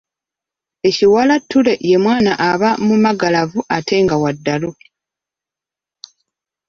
Ekiwalattule ye mwana aba mumagalavu ate nga wa ddalu.